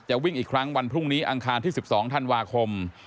วิ่งอีกครั้งวันพรุ่งนี้อังคารที่๑๒ธันวาคม